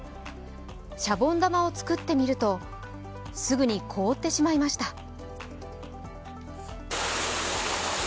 シャボン玉を作ってみるとすぐに凍ってしまいました。